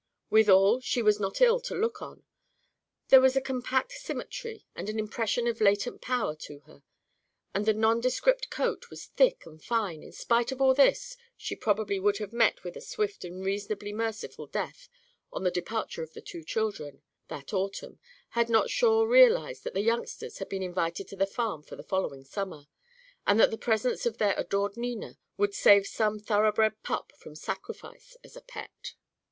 Withal, she was not ill to look on. There was a compact symmetry and an impression of latent power to her. And the nondescript coat was thick and fine. In spite of all this, she probably would have met with a swift and reasonably merciful death, on the departure of the two children, that autumn, had not Shawe realised that the youngsters had been invited to the farm for the following summer, and that the presence of their adored Nina would save some thoroughbred pup from sacrifice as a pet.